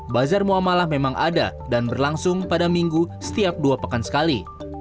bazar muamalah memang ada dan berlangsung pada minggu setiap dua pekan sekali